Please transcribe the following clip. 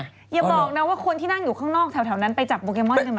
อย่าบอกนะว่าคนที่นั่งอยู่ข้างนอกแถวนั้นไปจับโปเกมอนกันมา